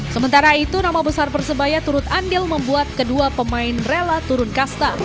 sementara itu nama besar persebaya turut andil membuat kedua pemain rela turun custom